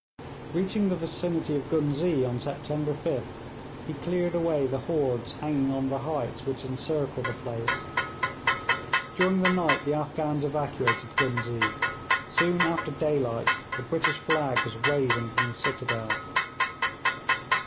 Reaching the vicinity of Ghuznee on September 5th, he cleared away the hordes hanging on the heights which encircle the place. During the night the Afghans evacuated Ghuznee. Soon after daylight the British flag was waving from the citadel.